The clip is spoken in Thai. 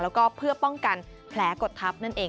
แล้วก็เพื่อป้องกันแผลกดทับนั่นเอง